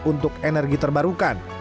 untuk energi terbarukan